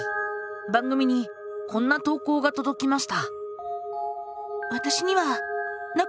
番組にこんな投稿がとどきました。